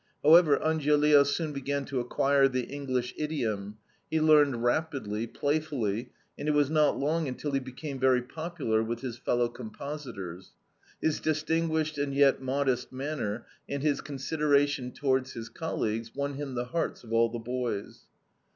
However, Angiolillo soon began to acquire the English idiom; he learned rapidly, playfully, and it was not long until he became very popular with his fellow compositors. His distinguished and yet modest manner, and his consideration towards his colleagues, won him the hearts of all the boys."